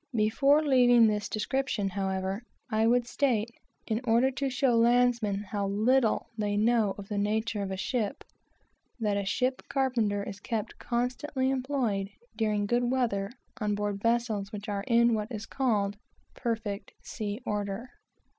Before leaving this description, however, I would state, in order to show landsmen how little they know of the nature of a ship, that a ship carpenter is kept in constant employ during good weather on board vessels which are in, what is called, perfect sea order.